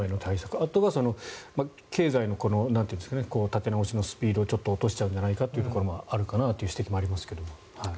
あとは経済の立て直しのスピードをちょっと落としちゃうんじゃないかなという指摘もありますが。